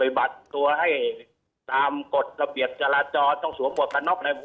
บัตรตัวให้ตามกฎระเบียบจราจรต้องสวมหวกกันน็อกอะไร